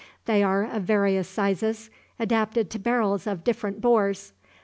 They are of various sizes, adapted to barrels of different bores.